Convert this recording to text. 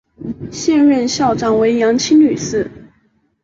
现任校长为杨清女士。